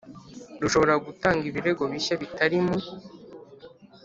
rushobora gutanga ibirego bishya bitari mu